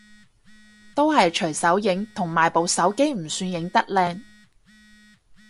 都係隨手影，同埋部手機唔算影得靚